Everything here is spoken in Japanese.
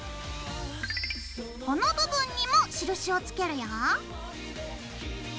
この部分にも印をつけるよ。